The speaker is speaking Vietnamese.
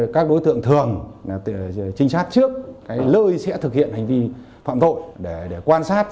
các đối tượng thường trinh sát trước lơi sẽ thực hiện hành vi phạm tội để quan sát